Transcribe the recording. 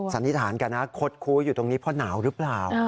สันนิษฐานกันนะคดคู้อยู่ตรงนี้เพราะหนาวหรือเปล่า